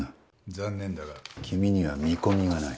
残念だが君には見込みがない。